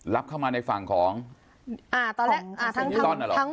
รับเข้ามาในฝั่งของดิจิตอล